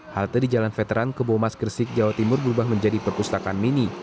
halte di jalan veteran kebomas gresik jawa timur berubah menjadi perpustakaan mini